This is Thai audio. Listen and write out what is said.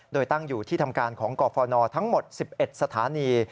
โดยตั้งอยู่ที่ทำการของกฟนทั้งหมด๑๑สถานี